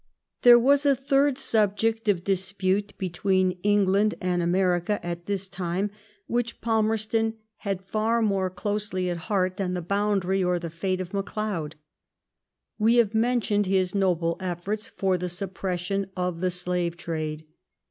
There was a third subject of dispute between England and America at this time which Palmerston bad far more closely at heart than the boundary cr the fate of McLeod. We have mentioned his noble efforts for the suppression of the slave trade.